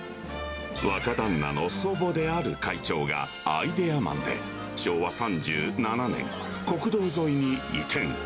若旦那の祖母である会長がアイデアマンで、昭和３７年、国道沿いに移転。